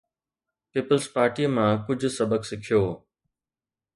Peoples پارٽيءَ مان ڪجهه سبق سکيو.